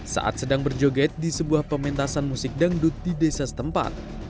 saat sedang berjoget di sebuah pementasan musik dangdut di desa setempat